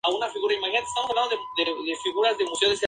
Esto incluyó el rediseño de la isla del buque.